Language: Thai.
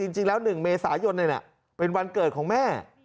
จริงแล้ว๑เมษายนเป็นวันเกิดของแม่